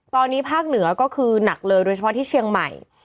ตอนนี้ภาคเหนือก็คือหนักเลยโดยเฉพาะที่เชียงใหม่